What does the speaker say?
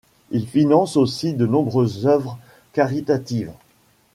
Il finance aussi de nombreuses œuvres caritatives.